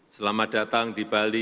selamat datang di bali